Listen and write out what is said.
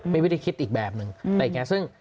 มีวิธีคิดอีกแบบหนึ่งอะไรอย่างนี้ซึ่ง